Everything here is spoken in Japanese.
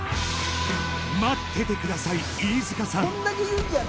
待っててください飯塚さん